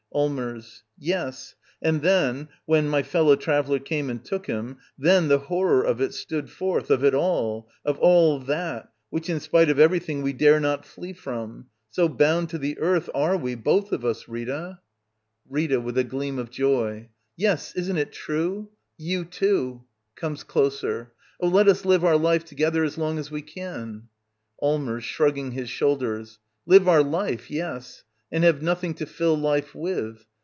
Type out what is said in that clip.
Allmers. Yes. And then, when — my fellow traveller came and took him — then the horror of it stood forth — of it all — of all that — which, in spite of everything, we dare not flee from. So bound to the earth are we, both oi us> Bita! Digitized by VjOOQIC Act III. <^ LITTLE EYOLF Rita. [With a gleam of joy.] Yes, isn't it true ! i^xYou, too! [Owncs closer.] Oh, let us live our life together as long as we can ! Allmbrs. [Shrugging his shoulders.] Live our life, yes I And have nothing to fill life with.